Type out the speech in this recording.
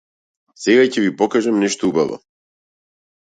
Сега ќе ви покажам нешто убаво.